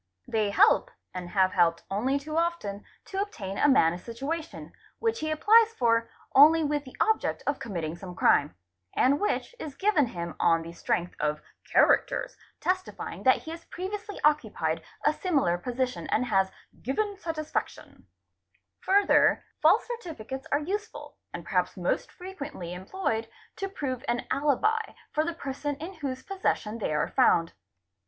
They help—and.have helped only too often—to obtain a man a situation, which he apples for only with the object of committing some crime, and which is given him on the strength of 'characters', testifying that he has previously occupied a similar position and has " given satisfaction"'. } Further, false certificates are useful, and perhaps most frequently i employed, to prove an alibi for the person in whose possession they are ; found.